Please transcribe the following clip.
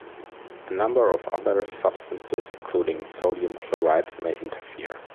A number of other substances, including sodium chloride, may interfere.